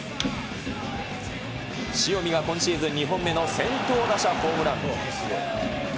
塩見が今シーズン２本目の先頭打者ホームラン。